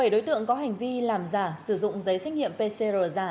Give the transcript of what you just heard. bảy đối tượng có hành vi làm giả sử dụng giấy xét nghiệm pcr giả